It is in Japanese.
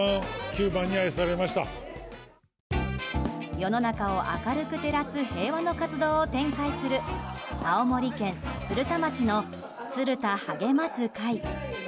世の中を明るく照らす平和な活動を展開する青森県鶴田町のツル多はげます会。